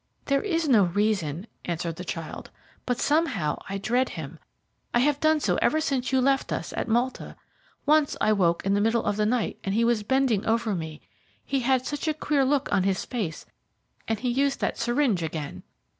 "There is no reason," answered the child, "but somehow I dread him. I have done so ever since you left us at Malta. Once I woke in the middle of the night and he was bending over me he had such a queer look on his face, and he used that syringe again.